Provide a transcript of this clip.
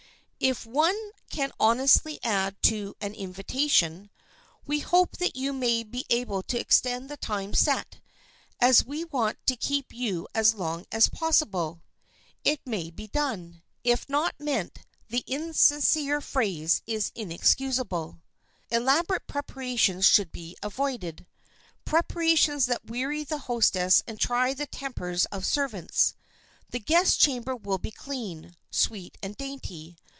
If one can honestly add to an invitation, "We hope that you may be able to extend the time set, as we want to keep you as long as possible," it may be done. If not meant, the insincere phrase is inexcusable. [Sidenote: THE GUEST CHAMBER] Elaborate preparations should be avoided—preparations that weary the hostess and try the tempers of servants. The guest chamber will be clean, sweet and dainty.